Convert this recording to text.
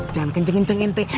jangan kenceng kenceng ini